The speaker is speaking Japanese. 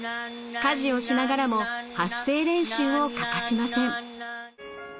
家事をしながらも発声練習を欠かしません。